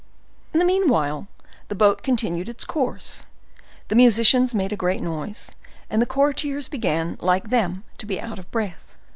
In the meanwhile the boat continued its course, the musicians made a great noise, and the courtiers began, like them, to be out of breath.